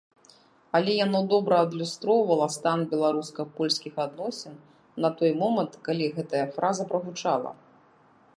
Але яно добра адлюстроўвала стан беларуска-польскіх адносін на той момант, калі гэтая фраза прагучала.